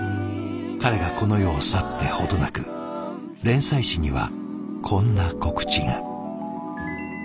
彼がこの世を去って程なく連載誌にはこんな告知が。